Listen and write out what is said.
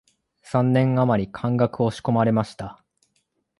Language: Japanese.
三年あまり漢学を仕込まれました